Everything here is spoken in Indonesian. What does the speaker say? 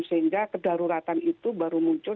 sehingga kedaruratan itu baru muncul